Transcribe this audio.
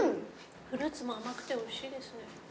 フルーツも甘くておいしいですね。